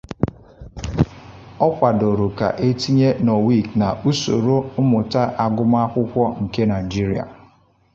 Ọ kwadoro ka e tinye "green education and sustainability" na usoro mmụta agụmakwụkwọ nke Naịjirịa.